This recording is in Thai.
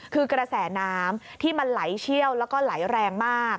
คือกระแสน้ำที่มันไหลเชี่ยวแล้วก็ไหลแรงมาก